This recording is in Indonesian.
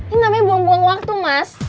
ini namanya buang buang waktu mas